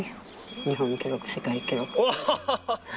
日本記録、世界記録ね。